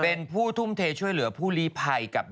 เป็นผู้ทุ่มเทช่วยเหลือผู้ลีภัยกับ